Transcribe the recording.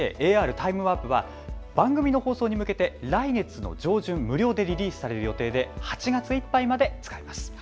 タイムワープは番組の放送に向けて来月の上旬、無料でリリースされる予定で８月いっぱいまで使えます。